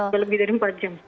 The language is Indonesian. lebih dari empat jam